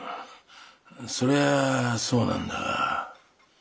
そりゃそうなんだが。